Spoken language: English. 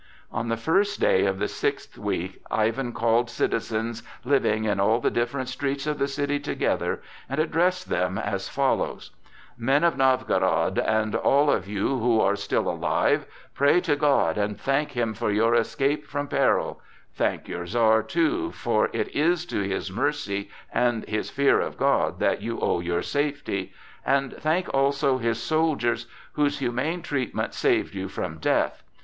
On the first day of the sixth week, Ivan called citizens living in all the different streets of the city together and addressed them as follows: "Men of Novgorod, and all of you who are still alive, pray to God and thank him for your escape from peril; thank your Czar too, for it is to his mercy and his fear of God that you owe your safety; and thank also his soldiers, whose humane treatment saved you from death.